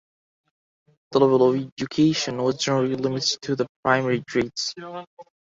The level of education was generally limited to the primary grades.